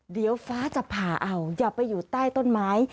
เดี๋ยวฟ้าจะผ่าเอาอย่าไปอยู่ใต้ต้นไม้